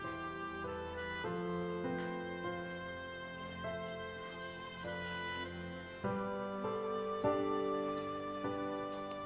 ya sudah pak umar semua jadi kutat zinean gimana kayaknya